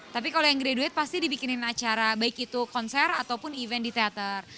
tapi kalau yang graduate pasti dibikinin acara baik itu konser ataupun event di teater